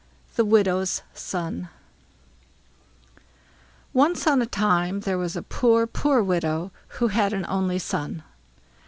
THE WIDOW'S SON Once on a time there was a poor, poor widow, who had an only son.